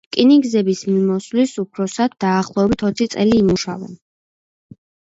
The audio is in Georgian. რკინიგზების მიმოსვლის უფროსად დაახლოებით ოცი წელი იმუშავა.